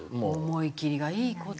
思い切りがいい事。